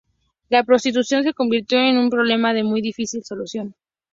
La prostitución se convirtió en un problema de muy difícil solución.